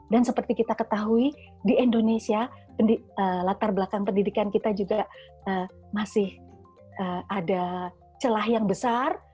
dan seperti kita ketahui di indonesia latar belakang pendidikan kita juga masih ada celah yang besar